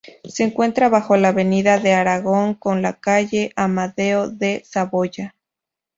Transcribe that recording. Se encuentra bajo la avenida de Aragón con la calle Amadeo de Saboya.